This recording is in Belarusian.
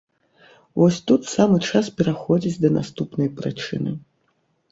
Вось тут самы час пераходзіць да наступнай прычыны.